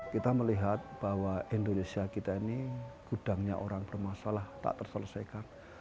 kita melihat bahwa indonesia kita ini gudangnya orang bermasalah tak terselesaikan